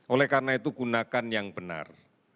oleh karena itu gunakan yang benar